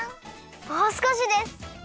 もうすこしです！